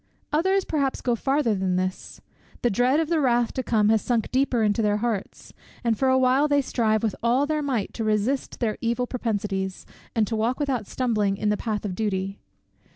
Others perhaps go farther than this. The dread of the wrath to come has sunk deeper into their hearts; and for a while they strive with all their might to resist their evil propensities, and to walk without stumbling in the path of duty.